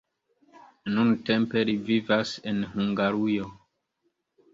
Nuntempe li vivas en Hungarujo.